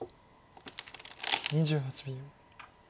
２８秒。